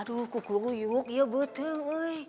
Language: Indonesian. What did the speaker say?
aduh kuku uyuk ya betul